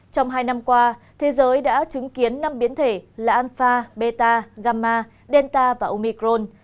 trong hai năm qua thế giới đã chứng kiến năm biến thể là anfa beta gamma delta và omicron